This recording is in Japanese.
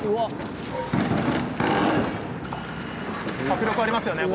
迫力ありますよね